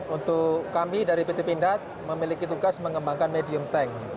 untuk kami dari pt pindad memiliki tugas mengembangkan medium bank